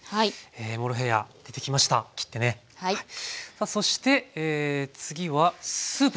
さあそして次はスープですか。